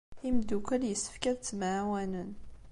Imeddukal yessefk ad ttemɛawanen.